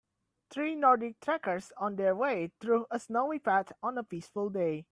Three nordic trekkers on their way through a snowy path on a peaceful day.